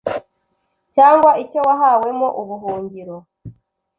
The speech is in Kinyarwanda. cyangwa icyo wahawemo ubuhungiro